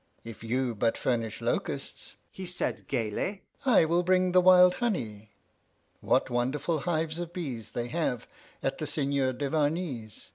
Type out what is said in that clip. "If you but furnish locusts," he said gaily, "I will bring the wild honey.... What wonderful hives of bees they have at the Seigneur Duvarney's!"